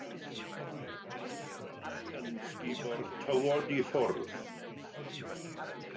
Mae'r tonnau yn sgubo'r tywod i ffwrdd.